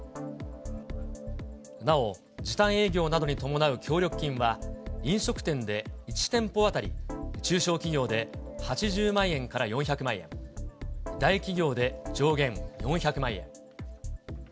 なお、時短営業などに伴う協力金は、飲食店で１店舗当たり、中小企業で８０万円から４００万円、大企業で上限４００万円。